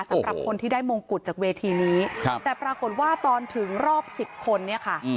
สำหรับคนที่ได้มงกุฎจากเวทีนี้ครับแต่ปรากฏว่าตอนถึงรอบสิบคนเนี่ยค่ะ